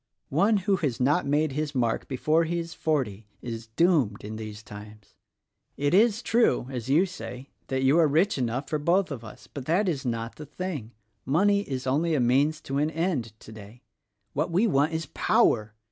"One who has not made his mark before he is forty is doomed, in these times. It is true, as you say, that you are rich enough for both of us; but that is not the thing. Money is only a means to an end — today. What we want is power!